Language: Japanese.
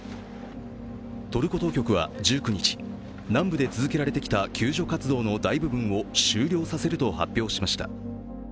トルコ当局は１９日、南部で続けられてきた救助活動の大部分を終了させると発表しました。